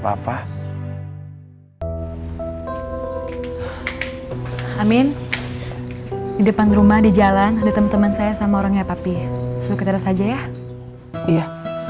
papa amin di depan rumah di jalan ada teman saya sama orangnya papi suket saja ya iya